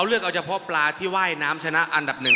เฮ้ยอย่าเพิ่มอย่าเพิ่มทำเล่น